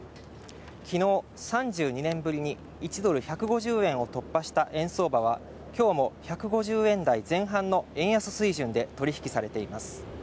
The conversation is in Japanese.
昨日３２年ぶりに１ドル＝１５０円を突破した円相場はきょうも１５０円台前半の円安水準で取引されています